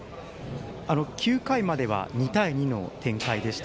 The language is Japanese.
９回までは２対２の展開でした。